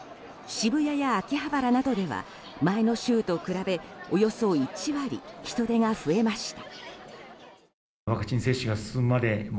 渋谷や秋葉原などでは前の週と比べおよそ１割、人出が増えました。